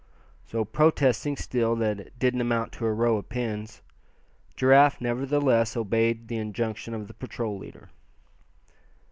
So, protesting still that it "didn't amount to a row of pins," Giraffe nevertheless obeyed the injunction of the patrol leader.